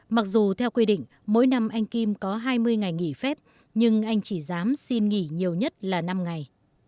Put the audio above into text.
mặc dù theo quy định mỗi năm anh kim có hai mươi ngày nghỉ phép nhưng anh chỉ dám xin nghỉ nhiều nhất là năm ngày